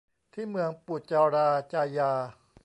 ที่เมืองปุจราจายา